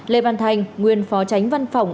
lê văn thành nguyên phó tránh văn phòng